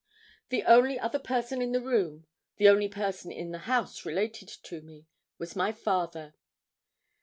The only other person in the room the only person in the house related to me was my father.